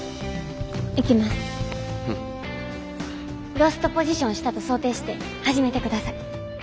ロストポジションしたと想定して始めてください。